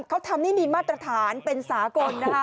เขาทำนี่มีมาตรฐานเป็นสากลนะคะ